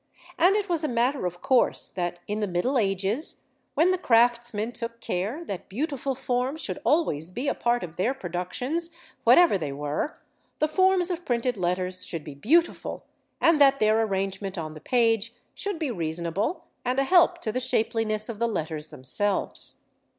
And it was a matter of course that in the Middle Ages, when the craftsmen took care that beautiful form should always be a part of their productions whatever they were, the forms of printed letters should be beautiful, and that their arrangement on the page should be reasonable and a help to the shapeliness of the letters themselves.